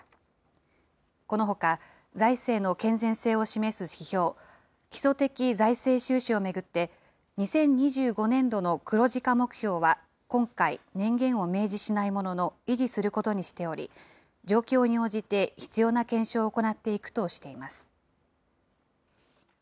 このほか、財政の健全性を示す指標、基礎的財政収支を巡って、２０２５年度の黒字化目標は今回、年限を明示しないものの維持することにしており、状況に応じて必要な検証を行っていくとしています。